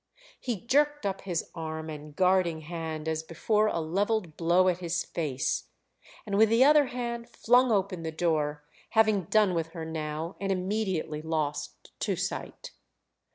He jerked up his arm and guarding hand as before a levelled blow at his face, and with the other hand flung open the door, having done with her now and immediately lost to sight.